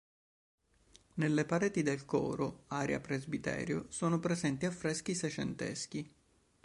Nelle pareti del coro area presbiterio sono presenti affreschi secenteschi.